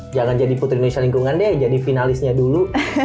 jangan jadi putri indonesia lingkungan deh jadi finalisnya dulu